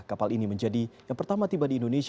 kapal ini menjadi yang pertama tiba di indonesia